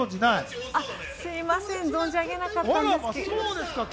すみません、存じ上げなかったです。